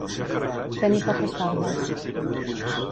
Tenir poques barbes.